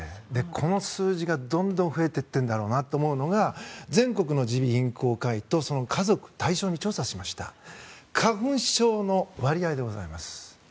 この数字がどんどん増えてるんだろうと思うのは全国の耳鼻咽喉科医とその家族を対象に調査した花粉症の割合でございます。